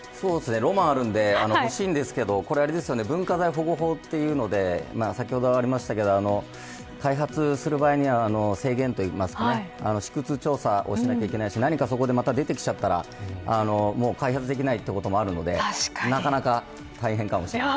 ロマンあるんで欲しいんですが文化財保護法というので先ほどもありましたが開発する場合には制限といいますか試掘調査をしなければいけない何かそこで出てしまったら開発できないこともあるのでなかなか大変かもしれません。